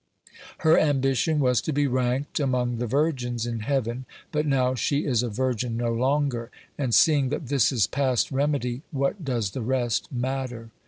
Her ambition was to be ranked among the virgins in heaven, but now she is a virgin no longer, and seeing that this is past remedy, what does the rest matter?